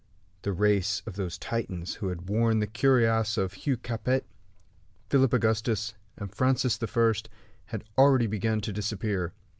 The race of those Titans who had worn the cuirasses of Hugh Capet, Philip Augustus, and Francis I. had already begun to disappear.